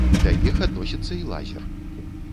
Да іх адносіцца і лазер.